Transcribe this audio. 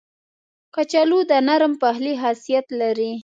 کچالو د نرم پخلي خاصیت لري